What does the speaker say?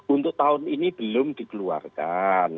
untuk tahun ini belum dikeluarkan